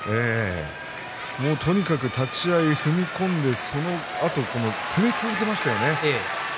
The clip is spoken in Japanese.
とにかく立ち合い踏み込んでそのあと攻め続けましたね。